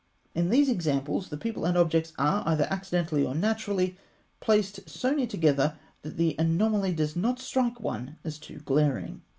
In these examples the people and objects are, either accidentally or naturally, placed so near together, that the anomaly does not strike one as too glaring.